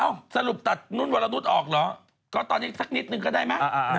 สรุปตัดนุ่นวรนุษย์ออกเหรอก็ตอนนี้สักนิดนึงก็ได้ไหม